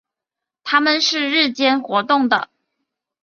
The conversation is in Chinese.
它们是日间活动的。